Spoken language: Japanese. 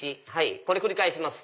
これ繰り返します。